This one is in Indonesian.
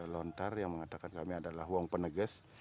lontar yang mengatakan kami adalah huang peneges